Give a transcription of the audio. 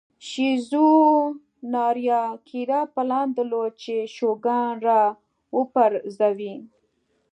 شیزو ناریاکیرا پلان درلود چې شوګان را وپرځوي.